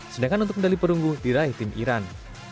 sedangkan untuk medali perunggu diraih tim iran